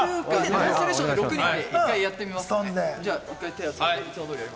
デモンストレーションで６人でやってみます。